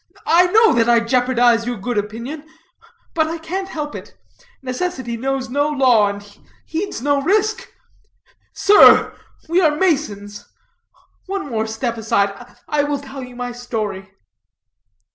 I know that I jeopardize your good opinion. But I can't help it: necessity knows no law, and heeds no risk. Sir, we are masons, one more step aside; I will tell you my story."